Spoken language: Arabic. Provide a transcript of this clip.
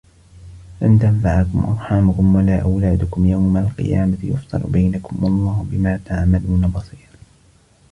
لن تنفعكم أرحامكم ولا أولادكم يوم القيامة يفصل بينكم والله بما تعملون بصير